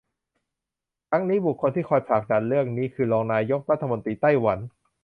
ทั้งนี้บุคคลที่คอยผลักดันเรื่องนี้คือรองนายกรัฐมนตรีไต้หวัน